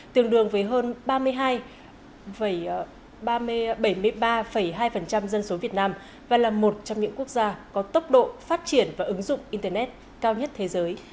tương đương với hơn ba mươi hai dân số việt nam và là một trong những quốc gia có tốc độ phát triển và ứng dụng internet cao nhất thế giới